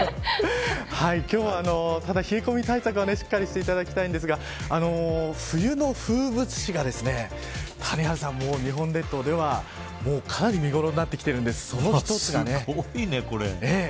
今日は冷え込み対策をしっかりしていただきたいんですが冬の風物詩が日本列島では、かなり見頃になってきているんです。